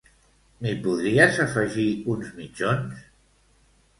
M'hi podries afegir uns mitjons?